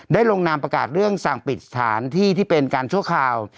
ลงนามประกาศเรื่องสั่งปิดสถานที่ที่เป็นการชั่วคราว